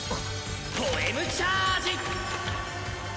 ポエム・チャージ！